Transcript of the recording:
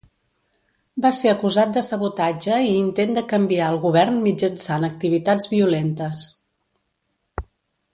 Va ser acusat de sabotatge i intent de canviar el govern mitjançant activitats violentes.